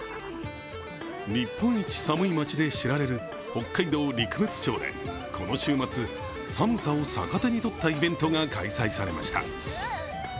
日本一寒い町で知られる北海道陸別町でこの週末、寒さを逆手に取ったイベントが開催されました。